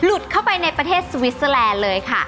จะเหมือนหลุดเข้าไปในประเทศสวิสเซอแลนด์เลยค่ะ